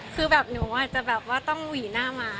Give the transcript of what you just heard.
คือหนูอาจจะต้องหหวีหน้ามา